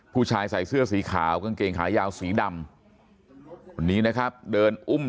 ผู้ชายใส่เสื้อสีขาวกางเกงขายาวสีดำคนนี้นะครับเดินอุ้ม